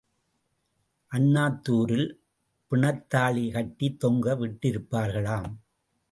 அண்ணாதுாரில் பிணத்தாழி கட்டித் தொங்க விட்டிருப்பார்களாம்.